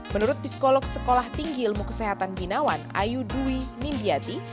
menurut psikolog sekolah tinggi ilmu kesehatan binawan ayu dwi nindyati